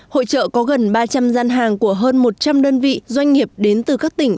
hội trợ có gần ba trăm linh gian hàng của hơn một trăm linh đơn vị doanh nghiệp đến từ các tỉnh